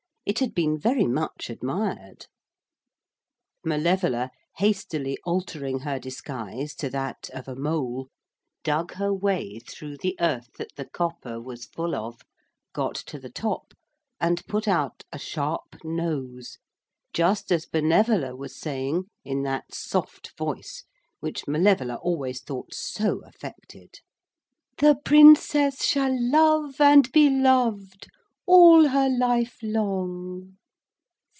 It had been very much admired. Malevola, hastily altering her disguise to that of a mole, dug her way through the earth that the copper was full of, got to the top and put out a sharp nose just as Benevola was saying in that soft voice which Malevola always thought so affected, 'The Princess shall love and be loved all her life long.'